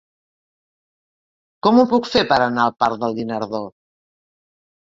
Com ho puc fer per anar al parc del Guinardó?